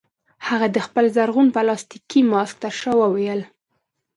هغه د خپل زرغون پلاستيکي ماسک ترشا وویل